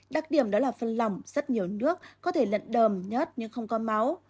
đặc điểm đó là phân lỏng rất nhiều nước có thể lận đờm nhớt nhưng không có máu